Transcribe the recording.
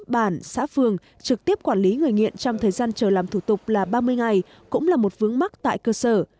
bán xã phương trực tiếp quản lý người nghiện trong thời gian chờ làm thủ tục là ba mươi ngày cũng là một vướng mắc tại cơ sở